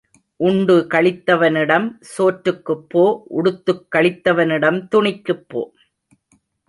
உண்டு களித்தவனிடம் சோற்றுக்குப் போ உடுத்துக் களித்தவனிடம் துணிக்குப் போ.